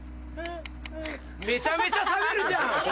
めちゃめちゃ喋るじゃん。